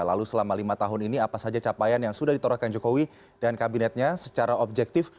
lalu selama lima tahun ini apa saja capaian yang sudah ditorahkan jokowi dan kabinetnya secara objektif